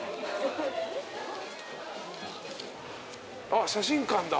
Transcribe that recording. あっ写真館だ。